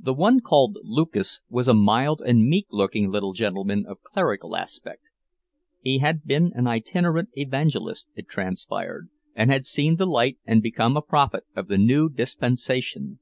The one called Lucas was a mild and meek looking little gentleman of clerical aspect; he had been an itinerant evangelist, it transpired, and had seen the light and become a prophet of the new dispensation.